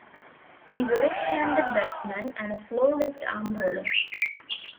He is a left-handed batsman and a slow left-arm bowler.